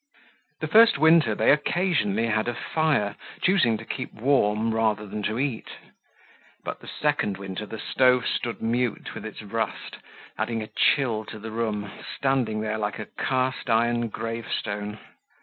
The first winter they occasionally had a fire, choosing to keep warm rather than to eat. But the second winter, the stove stood mute with its rust, adding a chill to the room, standing there like a cast iron gravestone.